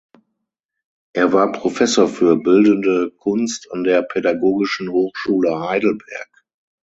Er war Professor für Bildende Kunst an der Pädagogischen Hochschule Heidelberg.